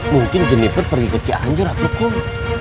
mungkin jeniper pergi ke cianjur aku kum